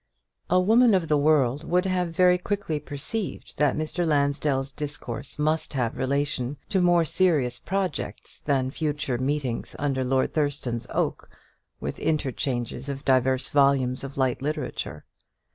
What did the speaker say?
A woman of the world would have very quickly perceived that Mr. Lansdell's discourse must have relation to more serious projects than future meetings under Lord Thurston's oak, with interchange of divers volumes of light literature.